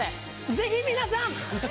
ぜひ皆さん。